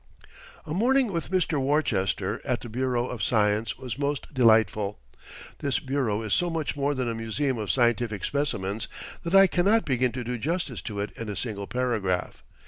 A morning with Mr. Worcester at the Bureau of Science was most delightful. This bureau is so much more than a museum of scientific specimens that I cannot begin to do justice to it in a single paragraph.